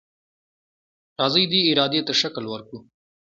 راځئ دې ارادې ته شکل ورکړو.